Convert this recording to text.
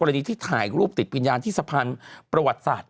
ดีที่ถ่ายรูปติดวิญญาณที่สะพานประวัติศาสตร์